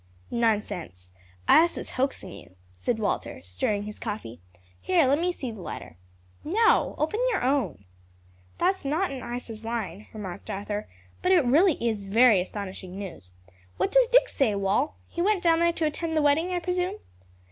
"Nonsense, Isa's hoaxing you," said Walter, stirring his coffee. "Here, let me see the letter." "No. Open your own." "That's not in Isa's line," remarked Arthur, "but really it is very astonishing news. What does Dick say, Wal? He went down there to attend the wedding, I presume?"